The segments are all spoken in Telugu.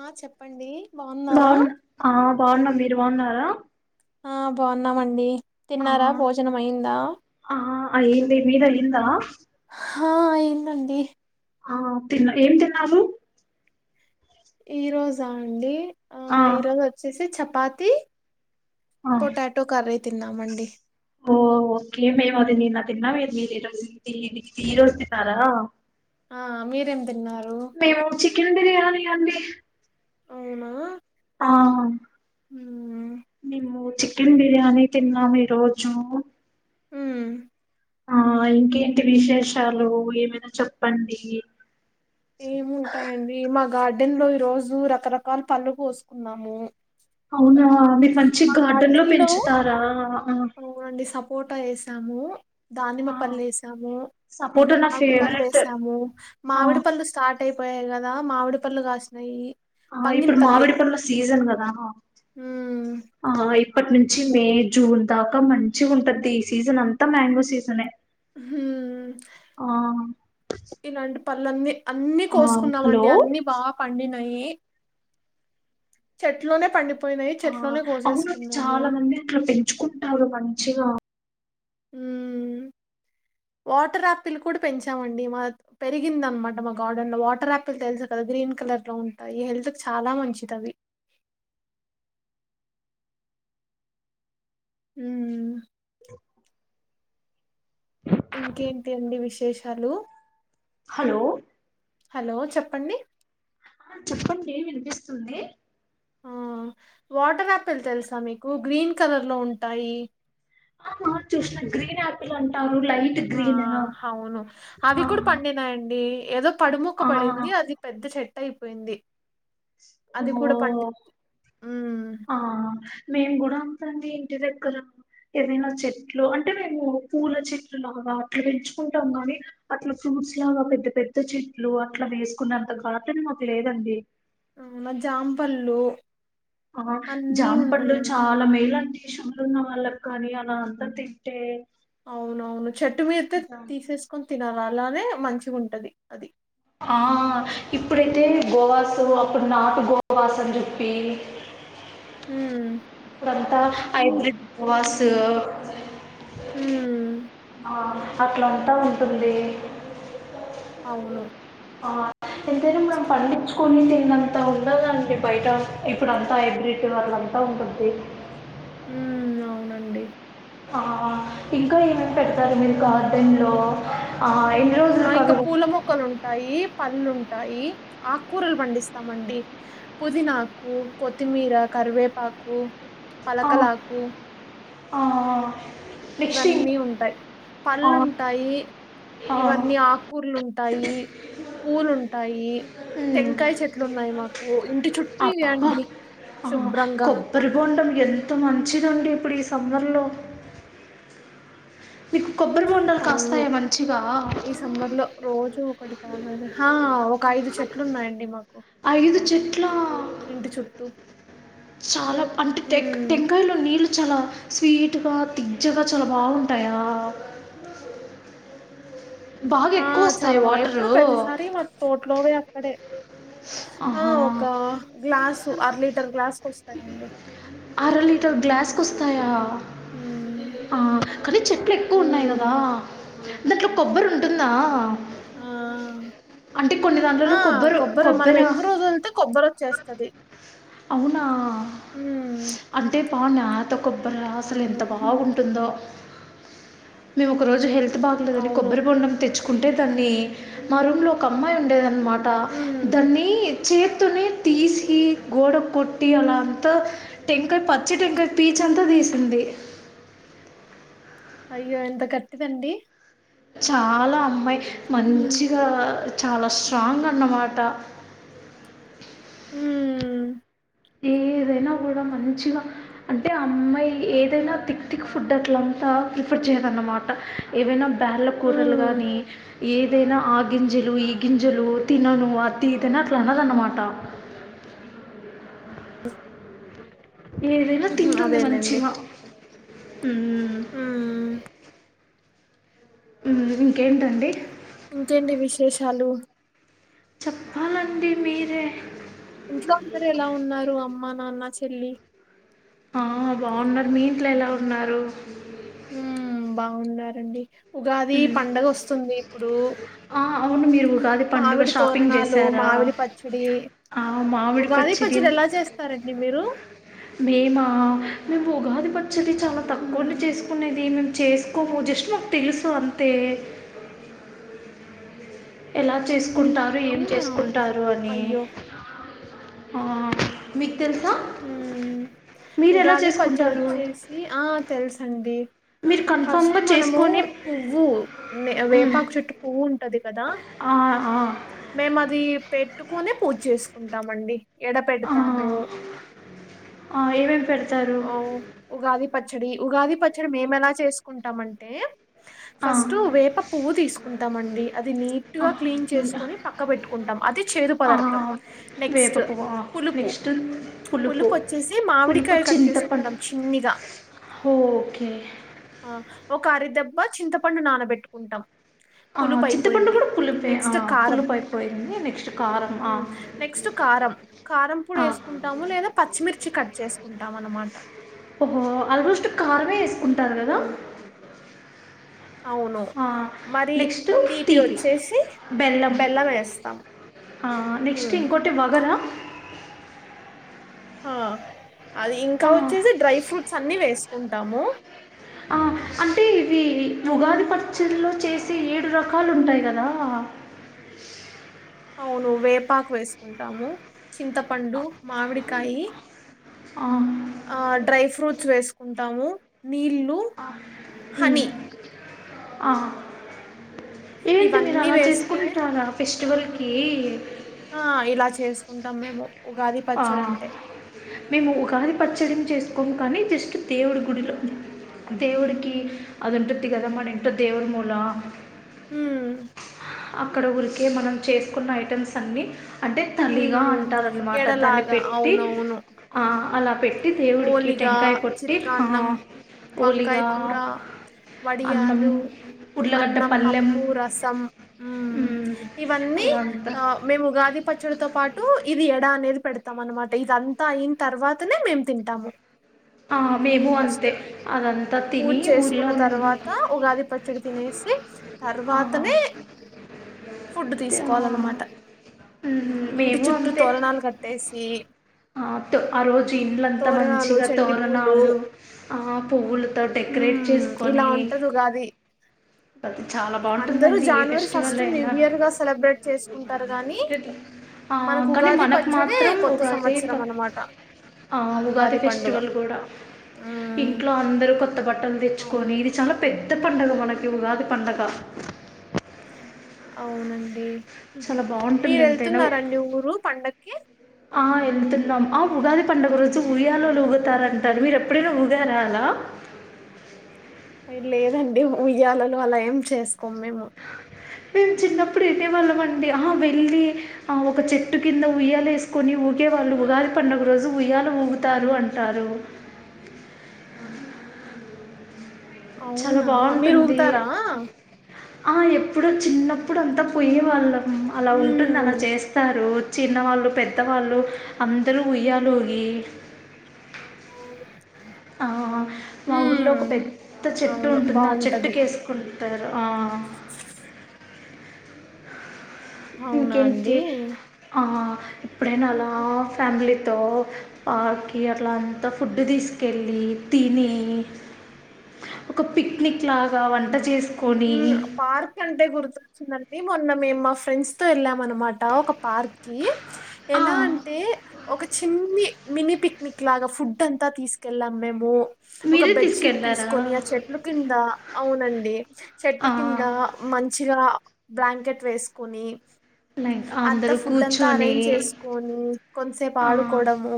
ఆ చెప్పండీ బాగున్ ఆ బాగున్నాం మీరు బాగున్నారా ఆ బాగున్నామండి ఆ తిన్నార బొజనం అయిందా ఆ అయింది మిది అయిందా హా అయిందండి ఆ తిన్ ఏం తిన్నారు ఈ రోజా అండి ఆ ఈరోజు వచ్చేసి చపాతి ఆ పొటాటో కర్రీ తిన్నాం అండి ఓ ఓకే మేము అది నిన్న తిన్నాం మీర్ ఇ ఇ మీరు ఈ రోజు ఈ రోజు తిన్నారా ఆ మిరేం తిన్నారు కిందిది [unintelligible] అండీ ఔన ఆ నిము చికెన్ బిర్యాని తిన్నాం ఈరోజూ ఊమ్ ఆ ఇంకెంటి విశేషాలు ఏమైనా చెప్పండి ఏముంటయండి మా గార్డెన్ లో ఈ రోజు రకరకాల పళ్ళు కొసుకున్నాము అవునా మీరు మంచి మ గార్డెన్ గార్డన్ లో పెంచుతారా ఆ అవునండి సపొర్ట ఏసాము దానిమ్మ ఆ పళ్ళు ఏసాము సపోటా నా మామిడి పళ్ళు ఫేవరెట్ ఏసాము ఆ మామిడి పళ్ళు స్టార్ట్ అయి పోయాయి కదా మామిడి పండ్లు కాసినయి ఆ ఇప్పుడు మామిడి పన్ల సీజన్ కదా ఉమ్ ఆ ఇప్పటి నుంచి మే జూన్ దాకా మంచిగ ఉంటది ఈ సీజన్ అంత మ్యాంగో సీజనే ఉహ్ ఆ ఇలాంటి పన్లఅన్ని అన్ని ఆ హలో కొసుకున్నామండి అన్ని బా పండినయ్ చెట్లోనే పండిపొ ఆ అవునుఅండి చాలా మంది అట్లా పెంచుకుంటారు మంచిగా ఉమ్ [inaudible] వాటర్ ఆపిల్ కూడా పెంచామండి మాత్ పెరిగింది అనమాట మా గార్డెన్ లో వాటర్ ఆపిల్ తెలుసు కద గ్రీన్ కలర్లో ఉంటాయి హెల్త్ కి చాలా మంచిదవి [inaudible] ఉమ్ ఇంకెంటి అండి విశేషాలు హలొ హలో చెప్పండి ఆ చెప్పండి వినిపిస్తుంది ఆ వాటర్ ఆపిల్ తెలుసా మీకు గ్రీన్ కలర్ లొ ఉంటాయి ఆ హ చుశిన గ్రీన్ ఆపిల్ అంటారు లైట్ ఆ గ్రీన్ హవును అవి ఆ కూడ పండినాయండి ఏదొ పడుముక్క ఆ పడింది అది పెద్ద చెట్టు అయిపోయింది ఓ అది కూడా పండి ఉమ్ ఆ మేమ్ కూడ ఇంటి దగ్గర ఏదైన చెట్లు అంటే మేము పూల చెట్లు లాగా అట్లు పెంచుకుంటం గాని అట్ల ఫ్రూ ముస్లగ పెద్ద పెద్ద చెట్లు అట్ల వేసుకున్నంత గార్డెన్ మాక్ లెదండి ఔన జాంపన్లు ఆ జాంపండు చాలా మేలుఅ షుగరున్న వాళ్ళ కానీ అలా అంత తిట్టె అవునవును చెట్టు మీదతే తీసేసుకొని తినలే అలనే మంచిగుంటది అది ఆ ఇప్పుడైతె గోవసు అప్పుడు నార్ట్ గోవాస్ అని చెప్పి ఉమ్ ఇప్పుడంతా ఇం హైబ్రిడ్ ప్రోస్ ఉమ్ ఆ అట్లాంట ఉంటుంది అవును ఆహ్ ఎంతైనా మనం పండించుకొని తిన్నంతా ఉండదాండి బయట ఇప్పుడంతా హైబ్రిట్ వళ్ళాంత బ ఉంటుంది హు మ్ అవునండి ఆ ఇంకా ఏమేమి పెడతారు మీరు గార్డెన్ లో ఆ ఎన్ని ఆ రోజులకు ఇంకా అవి పూల మొక్కలుంటాయి పళ్లుంటాయి ఆక్కూరలు పండిస్తామండి పుదీనాకు కొత్తిమీర కర్ కరివేపాకూ పలకలాకూ ఆ ఆ నెక్స్ట్ ఇంకా ఇవన్నీ ఉంటాయ్ ఆ, పళ్ళుంటాయి ఆ, ఇవన్నీ అక్కర్లు ఉన్ టాయి పూలు ఉంటాయి మ్మ్. టెంకాయి చెట్లు ఉన్నాయి మాక్ కు ఇంటి చుట్టూ ఇవే అబ్బా అండి ఆ, శుభ్రంగా కొబ్బరి బొండం ఎంత మంచిదండి ఇప్పుడు ఈ సమ్మర్లో మీకు కొబ్బరి బొడాలు అవును కాస్తాయా మంచిగా హా ఒక ఐదు చెట్లున్నాయండి మాక్ ఐదు చెట్లా చుట్టూ చాలా అంటే టెక్ ఉమ్ టంకాయలో నీళ్ళు చాలా స్వీట్ గా తియ్యగా చాలా బాగుంటాయా బాగా ఆ ఎక్కువోస్తాయ చాలా బా వాటరూ ఎప్పుడో ప్రతిసారి మా తోటలోవే అక్కడే ఆ ఆహా ఒక గ్లాసు అర లీటర్ గ్లాస్కి వస్తాయండి అరలీ టర్ గ్లాస్కోస్తాయా ఉమ్ ఆ కని చెట్లు ఎక్కువున్నాయ్ కదా ఉమ్ దాంట్లొ కొబ్బరుంటుందా ఆ అంటే కొన్ని దాంట్లలో కొబ్బరు కొబర్ మనం ఎక్కువ రోజు వేడ్తే కొబ్బరోచ్చేస్తది అవునా అంటే బా న్యాతోకోబ్ బరా అసల్ అవును ఎంతబాగుందో మేం ఒక రోజు హేల్ ల్త్ బాగలేదని అవును కొబ్బరి బొండం తెచ్చుకుంటే దాన్ని మా రూమ్ లో ఒక అమ్మాయి ఉండేదన్నమా టా ఉమ్ దాన్ని చేతోనే తీసి గోడకొట్టి అలా అంతా టెంకాయ పచ్చి టెంకాయి పీచ్ అంతా తీసింది అయ్యో ఎంత గట్టిదండి చాలా అమ్మాయి ఉమ్ మంచిగా చాల స్ట్రాంగ్ అన్నమాట ఉమ్ ఏదైనా గుడ మంచిగా అంటే అమ్మాయి ఏదైనా తిక్ తిక్ ఫుడ్ అట్లాంతా ప్రిఫర్ చేయదన్నమాట ఏవైనా పాలకూరలు ఉమ్ గాని ఏదైనా ఆ గింజలు ఈ గింజలు తినను అది ఇది అట్లా అనదన్నమాట ఏదైనా ఉహు తింటుంది అదేలేండి మంచిగ హు మ్ ఉమ్ మ్ ఇంకేంటండి ఇంకేంటీ విశేషాలు చెప్పాలండి మీరే ఇంట్లో అందరు ఎలా ఉన్నారు అమ్మ నాన్న చెల్లి ఆ బావున్నారు మీ ఇంట్లో ఎలా ఉన్నారు ఉమ్ బాగున్నారండి ఉగాది పండగ ఓస్తుంది ఇప్పుడు అవును మీరు ఉగాది పండుగ మామిడి షాపింగ్ తోరణాలు చేశారా మామిడి పచ్చడి ఉగాది పచ్చడి ఎలా చేస్తారండి మీరు మేమా మేము ఉగాది పచ్చడి చాలా తక్కువండి ఉమ్ చేసుకునేది మేము చేసుకోము జస్ట్ మాకు తెలుస్తదంతే ఎలా చేసుకుంటారు ఏం అవునా చేసుకుంటారు అని అయ్యో ఆ మీకు తెలుసా హ్మ్. మీరు ఎలా ఉగాది చేసుకుంటారు పచ్చడోచ్చేసి ఆ తెలుసండి మీరు ఫస్ట్ కన్ఫామ్గా మనము చేసుకొని పువ్వు వే మ్, వేపాకు చుట్టు పువ్వు ఉం కదా ఆ, ఆ, మేము అది పెట్టుకునే పూజ చేసుకుంటామండి ఎడ ఆ, పెడుతాము ఆ ఏవేం పెడత ఆ ఉగాది పచ్చడి ఉగాది పచ్చడి మేము ఎలా చేసుకుంటామంటే ఆ, ఫస్ట్ వేప పువ్వు తీసుకుంటాం అండి అది ఆ, నోట్లో క్లీన్ చేసుకోని పక్క పెట్టుకుంటాం అది చ్ చేదు ఆ, పదార్థం వేప నెక్స్ట్ పువ్వు పులుపు నెక్స్ట్ పులుపు వచ్చేసి పులుపు మామిడికాయ కట్ చింతపండు చేసుకుంటాం చిన్నిగా ఓకే ఆ ఒకరిద్దబ బ చింతపండు నానబెట్టుకుంటాం ఆ పులుపు చింతపండు అయిపోయింది కూడా పూలుపే ఆ నెక్స్ట్ కారం పులుపైపోయింది నెక్స్ట్ కారం ఆ ఉమ్, నెక్స్ట్ కారం కారం పొడి ఆ వేసుకుంటాము లేదా పచ్చిమిర్చి కట్ చేసుకుంటాం అనమాట ఓహో ఆల్మోస్ట్ కారమే వేసుకుంటారు కదా ఉమ్, అవును ఆ మరి తీపి వచ్చేసి బెల్లం వేస్తాం ఆ నెక్స్ట్ ఉమ్, ఇంకోటి వగరా ఆ అది ఇంకా వచ్చేసి డ్రై ఫ్రూట్స్ అన్ని వేసుకుంటాము ఆ అంటే ఇవి ఉగాది పచ్చడల్లో చేసే ఏడు రకాలు ఉంటాయి కదా అవును వేపాకు వేసుకుంటాము చింతపండు మామిడికాయి ఆ ఉమ్, ఆ డ్రై ఫ్రూట్స్ వేసుకుంటాము నీళ్ళు హని ఆ ఏంటి మీర ఇవన్నీ అల వేస్తే చేసుకుంటరా ఫెస్ట్ స్టివల్కి ఆ ఇలా చేసుకుంటాం మేము ఉగాది ఆ పచ్చడంటే. మేము ఉగాది పచ్చడి చేసుకోమ్ కానీ జస్ట్ దేవుడి గుడిలో దేవుడికి అదంటుదిగ మన ఇంట్లో దేవుడి మూల ఉమ్ అక్కడ ఉరికే మనం చేసుకున్న ఐటమ్స్ అన్నీ అంటే తల్లిగా హ్మ్. అంటారన్నమాట దాన్ని ఎడలాగా పెట్టి అవునవును. ఆ అలా పెట్టి దేవుడికి పోలిగ, టెంకాయ కొట్టి హా చిత్రాన్నం, వంకాయ హొలిగా కూర, అన్నం వడియాలు, పుట్లగడ్ పల్లెం ఉ ఇవన్నీ ఆ మేము ఉగాది పచ్చడితో పాటు ఇది ఎడ అనేది పెడతాం అనమాట ఇది అంతా అయిన తర్వాతనే మేము తింటాము మేము ఫస్ట్ అంతే అదంతా పూజ తిని ఊర్లో చేసుకున్న తర్వాత ఉగాది పచ్చడి తినేసి తర్వాతనే ఉన్న ఫుడ్ తీసుకోవాలన్నమాట ఇంటి చుట్టూ తోరణాలు కట్టేసి ఆటు ఆ రోజు ఇంలంతా తోరణాలు మంచిగా చెండి పూలు తోరణాలు ఆ పువ్వులతో డెకరేట్ మ్మ్ ఇలా చేసుకొని ఉంటది ఉగాది అది చాలా అందరు బాగుంటుందండి ఏ జానవరి ఫెస్టివల్ ఫస్ట్ న్యూ అయినా ఇయర్ గా సెలబ్రేట్ చేసుకుంటారు గాని ఆ, మనకు కానీ ఉగాది మనకు పచ్చడే మాత్రం కొత్త ఉగాది సంవత్సరం ప- అనమాట ఆ ఉగాది ఫెస్టివల్ గుడా మ్మ్ ఇంట్లో అందరు కొత్త బట్టలు తెచ్చుకొని అవును ఇది చాలా పెద్ త పండగ మానకి ఉగాది పండగ అవునండి చాలా బాగుంటుంది మీరు ఎంతైనా వెళ్తున్నారా అండి ఊరు పండగ్ ఆ వెళ్తున్నాం ఆ ఉగాది పండగ రోజు ఊయలుగుతారంటారు మీరు ఎప్పుడైనా ఊగారా అలా లేదండి ఉయ్యాలలు అలా ఏం చేసుకోము మేము మేము చిన్నప్పుడు ఎల్లెవాళ్ళం అండి హ వెళ్ళి ఆ ఒక చెట్టు కింద ఉయ్యాల వేసుకొని ఉ ఊగే వాళ్ళు ఉగాది పండుగ రోజు ఉయ్యాల ఊగుతారు అంటారు చాలా అవునా మీరు బాగుంటుంది ఊగుతారా ఆ ఎప్ ప్పుడు చిన్నప్పుడు అంతా పొయ్యే వాళ్ళం అలా ఉంటుంది అలా మ్మ్ చేస్తారు చిన్నవాళ్ళు పెద్దవాళ్ళు అందరు ఉయ్యాలుగీ ఆ మా ఊరిలో మ్మ్ ఒక పెద్ద చెట్టు అవును ఉంటుంది ఆ బాగుంటది చెట్టుకేస్కొని టారు ఆ అవునా ఇంకేంటి అండి ఆ ఇప్పుడైనా అలా మ్మ్ ఫ్యామిలీ తో పార్క్ కి అంత ఫుడ్డు తీసుకెళ్లి తిని ఒక పిక్నిక్ లాగా వంట చేస్ మ్ పార్క్ అంటే గుర్తొచ్చిందన్ డి మొన్న మేమ్ మా ఫ్రెండ్స్ తో వెళ్ళాము అనమాట ఒక పార్క్ కి ఆ, ఎలా అంటే ఒక చిన్ని మినీ పిక్నిక్ లాగా ఫుడ్ అంతా తీసుకెళ్ళాం మేము ఒక మీరే బెడ్ షీట్ తీసుకెళ్ళారా తీసుకొని ఆ చెట్ల కింద అవునండి చెట్టు ఆ, కింద మంచిగా బ్లాంకెట్ వేసుకుని లై అంతా ఫుడ్ అంతా అరేంజ్ చేసుకొని కొంసేపు ఆ, ఆడుకోవడము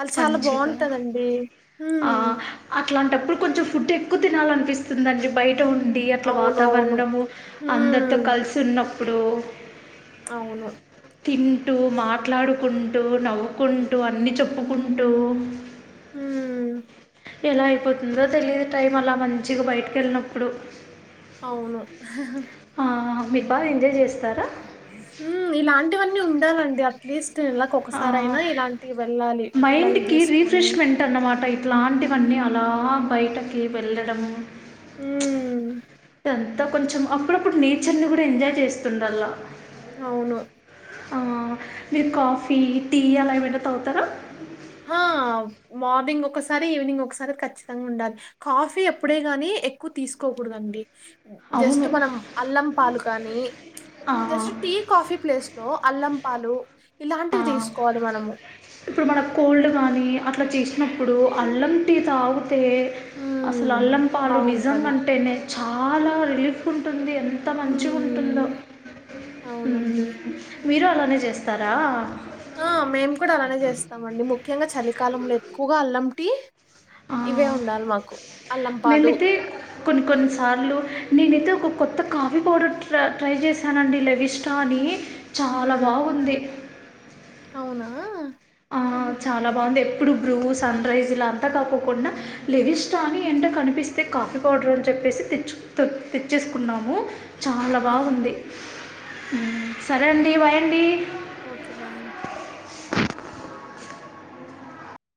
అల్ చాలా మంచిగా బాగుంటదండి ఆ, హ్మ్ అట్లాంటప్పుడు కొంచెం ఫుడ్ ఎక్కువ తినాలనిపిస్తుందండి బయ్ ట ఉండి అట్లా అవునవును వాతావరణము అందరితో మ్మ్. కలిసి ఉన్నప్పుడు అవును తింటూ మాట్లాడుకుంటూ నవ్వుకుంటూ అన్నీ చెప్పుకుంటూ హుమ్ ఎలా అయిపోతుందో తెలియదు టైం అలా మంచిగా బయటికేల్లినప్పుడు అవును ఆ మీర్ బాగా ఎంజాయ్ చేస్ హుమ్ ఇలాంటివన్నీ ఉండాలండి అట్లీస్ స్ట్ నేలకోక్కసారైనా ఇలాంటియి వెళ్ళాలి పిల్లల్ని మైండ్కి తీసుకొని రీఫ్రెష్మెంట్ అన్నమాట ఇట్లాంటివన్నీ అలా బయటకి వెళ్ళడమ్ మ్మ్ టె అంతా కొంచెం అప్పుడప్పుడు నేచర్ ని కూడా ఎంజాయ్ చేస్తుండల్లా అవును ఆ మీరు కాఫీ టీ అలా ఏమైనా తాగుతారా హ మార్నింగ్ ఒకసారి ఈవినింగ్ ఒకసారి ఖచ్చితంగా ఉండాలి కాఫీ ఎప్పుడే గాని ఎక్కువ తీసుకోకూడదండి జస్ట్ అవును మనం అల్లం పాలు కానీ జస్ట్ టీ కాఫీ ప్లేస్ లో అల్లం పాలు ఆ ఇలాంటివి తీసుకోవాలి మనము. ఇప్పుడు మనక్ కోల్డ్ కానీ అట్లా చేసినప్పుడు అల్లం టి తాగ్ తే అసలు హ్మ్. అల్లం పాలు నిజంగ బావుంటది. అంటేనే చాలా రిలీఫ్ ఉంటుంది అం ఎంత మంచిగుంటుందో హ్మ్. మ్ అవునండి. మీరు అలానే చేస్తారా ఆ మేము కూడా అలానే చేస్తామండి ముఖ్యంగా చలికాలంలో ఎక్కువగా అల్లం టి ఆ అల్లం పాలు మేమీతే కొన్ని కొన్ని సార్లు నేనైతే ఒక కొత్త కాఫీ పౌడర్ ట్ర ట్రై చేశానండి లేవిష్ట అని చాల హ్మ్ బాగుంది అవునా ఆహ్ ఆ చాలా బాగుందీ ఎప్ ఇప్పుడు బ్రూ సన్ రైజ్ ఇలా అంతా కాకోకుండా లేవిష్ట అని ఎంట కనిపిస్తే కాఫీ పౌడర్ అని చెప్ చెప్పేసి తెచ్చు తె తెచ్చేసుకున్నాము చాలా ఆ బాగుంది సరే అండి బైయండి ఒకె బాయ్